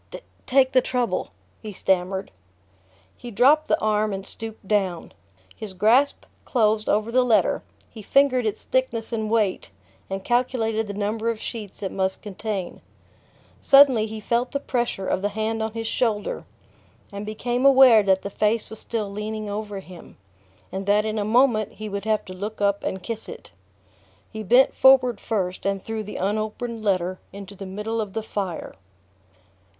"take the trouble," he stammered. He dropped the arm and stooped down. His grasp closed over the letter, he fingered its thickness and weight and calculated the number of sheets it must contain. Suddenly he felt the pressure of the hand on his shoulder, and became aware that the face was still leaning over him, and that in a moment he would have to look up and kiss it... He bent forward first and threw the unopened letter into the middle of the fire.